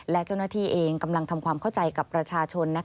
และเจ้าหน้าที่เองกำลังทำความเข้าใจกับประชาชน